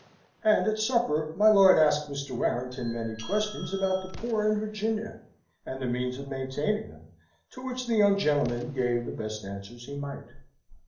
And at supper, my lord asked Mr. Warrington many questions about the poor in Virginia, and the means of maintaining them, to which the young gentleman gave the best answers he might.